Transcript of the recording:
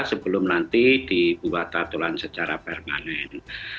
sebelum nanti dibuat aturan secara permanen